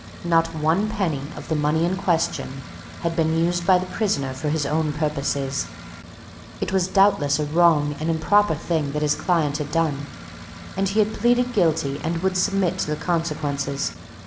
Not one penny of the money in question had been used by the prisoner for his own purposes. It was doubtless a wrong and improper thing that his client had done, and he had pleaded guilty and would submit to the consequences.